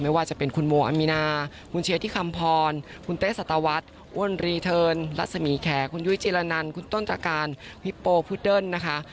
ไม่ว่าจะเป็นคุณโมอามีนาคุณเชียร์ที่คำพรคุณเต้สัตวรรษอ้วนรีเทิร์นรัศมีแขคุณยุ้ยจิรนันคุณต้นตะการฮิปโปพุดเดิ้ลนะคะ